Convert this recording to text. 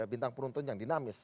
bintang penonton yang dinamis